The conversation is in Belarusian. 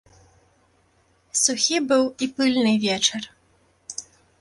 Сухі быў і пыльны вечар.